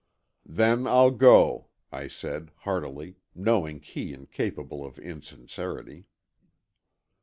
"Then I'll go," I said, heartily, knowing Kee incapable of insincerity.